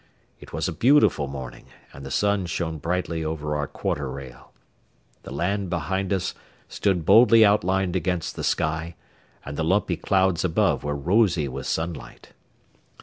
It was a beautiful morning and the sun shone brightly over our quarter rail. The land behind us stood boldly outlined against the sky, and the lumpy clouds above were rosy with sunlight.